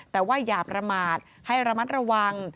แต่ว่าอย่าประมาทให้ระมัดระวัง